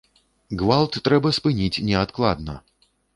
Гвалт трэба спыніць неадкладна!